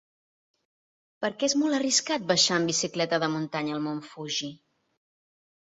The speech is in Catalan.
Per què és molt arriscat baixar amb bicicleta de muntanya el mont Fuji?